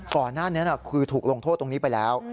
ก่อนหน้านี้คือถูกลงโทษตรงนี้ไปแล้ว